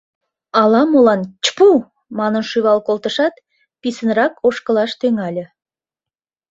Ала-молан «чпу!» манын, шӱвал колтышат, писынрак ошкылаш тӱҥале.